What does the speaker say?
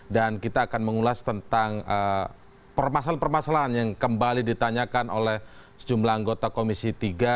dan kita akan mengulas tentang permasalahan permasalahan yang kembali ditanyakan oleh sejumlah anggota komisi tiga